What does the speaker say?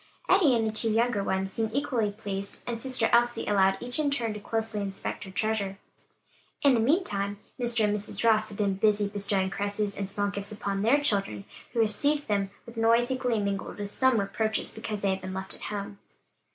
Eddie and the two younger ones seemed equally pleased, and "sister Elsie" allowed each in turn to closely inspect, her treasure. In the meantime, Mr. and Mrs. Ross had been busy bestowing caresses and small gifts upon their children, who received them with noisy glee mingled with some reproaches because they had been left at home.